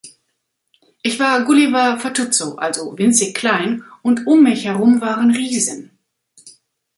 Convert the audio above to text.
Ich war Gulliver-Fatuzzo, also winzig klein, und um mich herum waren Riesen.